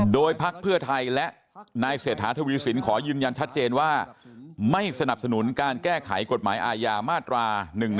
โดยพักเพื่อไทยและนายเศรษฐาทวีสินขอยืนยันชัดเจนว่าไม่สนับสนุนการแก้ไขกฎหมายอาญามาตรา๑๑๒